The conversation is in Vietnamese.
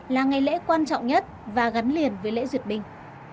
là ngày lễ quan trọng nhất và gắn liền với lễ duyệt binh